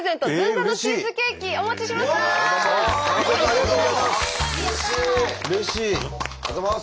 ありがとうございます。